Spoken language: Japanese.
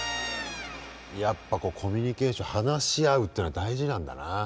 やっぱコミュニケーション話し合うっていうのは大事なんだな。